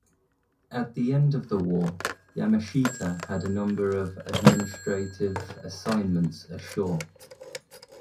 At the end of the war, Yamashita had a number of administrative assignments ashore.